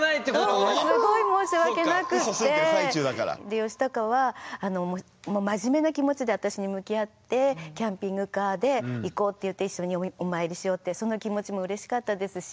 ヨシタカはもう真面目な気持ちで私に向き合ってキャンピングカーで行こうって言って一緒にお参りしようってその気持ちもうれしかったですし